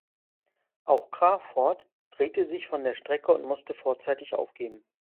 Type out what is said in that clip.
Auch Crawford drehte sich von der Strecke und musste vorzeitig aufgeben.